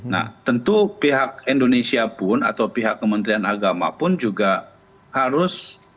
nah tentu pihak indonesia pun atau pihak kementerian agama pun juga harus